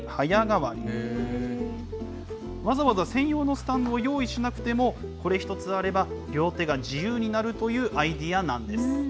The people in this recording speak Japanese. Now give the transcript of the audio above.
わざわざ専用のスタンドを用意しなくても、これ１つあれば両手が自由になるというアイデアなんです。